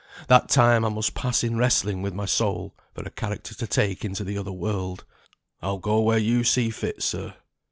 That time I must pass in wrestling with my soul for a character to take into the other world. I'll go where you see fit, sir.